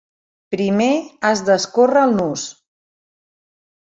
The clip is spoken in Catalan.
Primer has d'escórrer el nus.